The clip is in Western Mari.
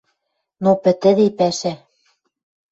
Но пӹтӹде пӓшӓ —